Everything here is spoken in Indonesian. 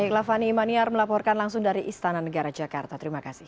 baiklah fani imaniar melaporkan langsung dari istana negara jakarta terima kasih